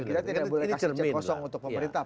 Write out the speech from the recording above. kita tidak boleh kasih cek kosong untuk pemerintah